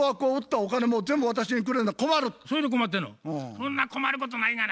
そんな困ることないがな。